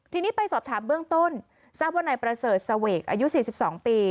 ทีนี้ไปสอบถามเบื้องต้นทราบว่านายประเสริฐเสวกอายุ๔๒ปี